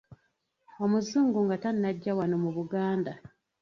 Omuzungu nga tannajja wano mu Buganda.